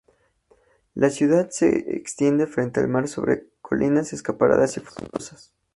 La ciudad se extiende frente al mar sobre colinas escarpadas y frondosas.